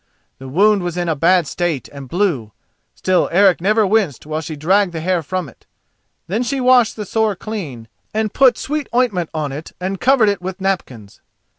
The wound was in a bad state and blue, still Eric never winced while she dragged the hair from it. Then she washed the sore clean, and put sweet ointment on it and covered it with napkins.